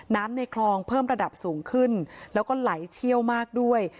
ในคลองเพิ่มระดับสูงขึ้นแล้วก็ไหลเชี่ยวมากด้วย